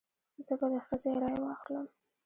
زه به د ښځې رای واخلم.